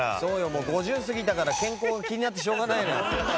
もう５０過ぎたから健康が気になってしょうがないのよ。